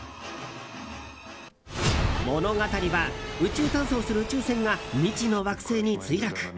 物語は宇宙探査をする宇宙船が未知の惑星に墜落。